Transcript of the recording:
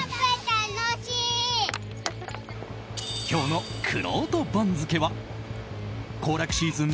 今日のくろうと番付は行楽シーズン